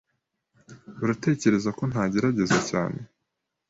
Uratekereza ko ntagerageza cyane?